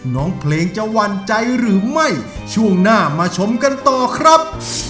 น้องเพลงจะหวั่นใจหรือไม่ช่วงหน้ามาชมกันต่อครับ